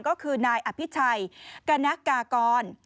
ก็คือนายอภิชัยกรณกากร